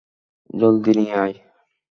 জলদি নিয়ে আয়।